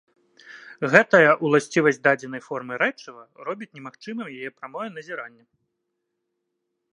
Гэтая ўласцівасць дадзенай формы рэчыва робіць немагчымым яе прамое назіранне.